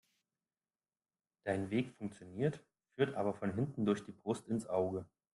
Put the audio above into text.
Dein Weg funktioniert, führt aber von hinten durch die Brust ins Auge.